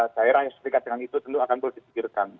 daerah yang setikat dengan itu tentu akan disikirkan